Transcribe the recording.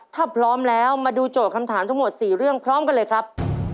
ถ้าพร้อมแล้วมาดูโจทย์คำถามทั้งหมด๔เรื่องพร้อมกันเลยครับ